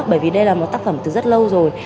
bởi vì đây là một tác phẩm từ rất lâu rồi